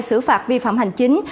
sử phạt vi phạm hành chính